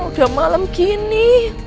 aduh udah malem gini